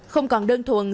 không còn đơn thuần